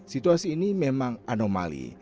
situasi ini memang anomali